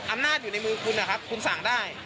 อำนาจอยู่ในมือคุณนะครับคุณสั่งได้